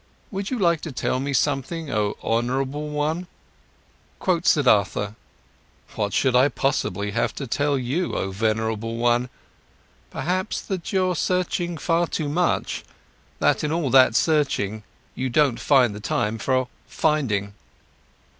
Would you like to tell me something, oh honourable one?" Quoth Siddhartha: "What should I possibly have to tell you, oh venerable one? Perhaps that you're searching far too much? That in all that searching, you don't find the time for finding?"